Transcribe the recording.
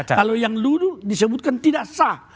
kalau yang ludu disebutkan tidak sah